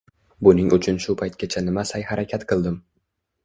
Buning uchun shu paytgacha nima sa’y-harakat qildim?